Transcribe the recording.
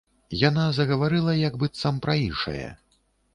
Яна загаварыла як быццам пра іншае.